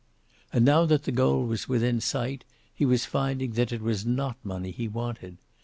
And now that the goal was within sight, he was finding that it was not money he wanted.